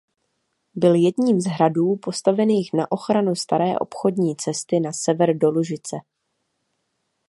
Byl jedním z hradů postavených na ochranu staré obchodní cesty na sever do Lužice.